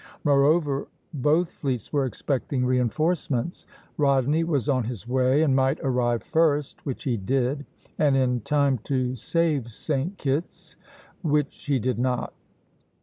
Moreover, both fleets were expecting reinforcements; Rodney was on his way and might arrive first, which he did, and in time to save St. Kitt's, which he did not.